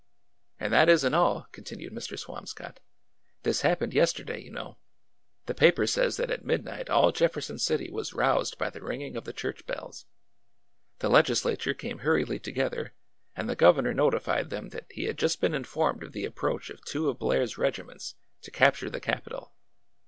'' And that is n't all," continued Mr. Swamscott. This happened yesterday, you know. The paper says that at midnight all Jefferson City was roused by the ringing of the church beMs. The legislature came hur riedly together, and the governor notified them that he had just been informed of the approach of two of Blair's regiments to capture the capital.